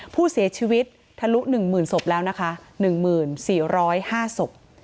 ผู้เสียชีวิตทะลุ๑หมื่นศพแล้วนะคะ๑หมื่น๔๐๕ศพ